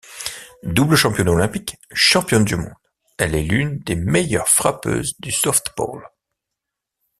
Double championne olympique, championne du monde, elle est l'une des meilleures frappeuses du softball.